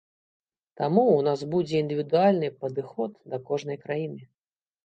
Таму, у нас будзе індывідуальны падыход да кожнай краіны.